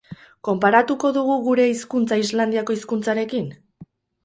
Konparatuko dugu gure hizkuntza Islandiako hizkuntzarekin?